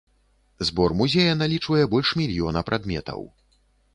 Збор музея налічвае больш мільёна прадметаў.